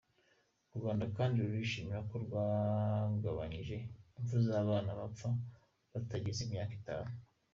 U Rwanda kandi rurishimira ko rwagabanyije imfu z’abana bapfa batarageza imyaka itanu.